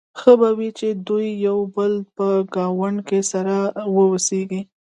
ښه به وي چې دوی د یو بل په ګاونډ کې سره واوسيږي.